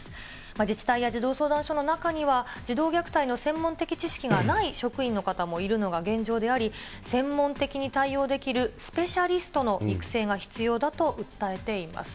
自治体や児童相談所の中には、児童虐待の専門的知識がない職員の方もいるのが現状であり、専門的に対応できるスペシャリストの育成が必要だと訴えています。